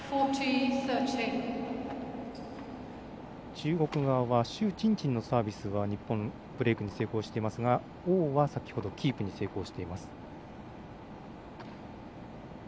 中国側朱珍珍のサービスは日本、ブレークに成功していますが王は先ほどキープに成功しています。